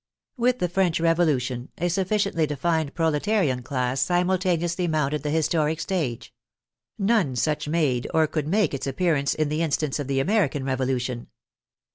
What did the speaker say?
With the French Revolution, a suf ficiently defined proletarian class simultaneously mounted the historic stage; none such made or could make its appearance in the instance of the American Revolution.